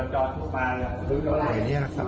อย่างนี้นะครับ